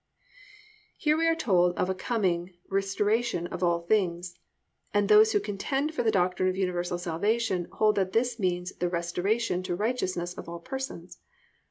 "+ Here we are told of a coming "restoration of all things" and those who contend for the doctrine of universal salvation hold that this means the restoration to righteousness of all persons.